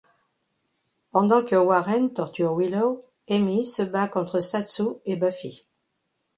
Pendant que Warren torture Willow, Amy se bat contre Satsu et Buffy.